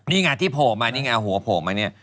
นี่ไงที่โผล่มานี่ไงหัวโผล่มาเนี่ย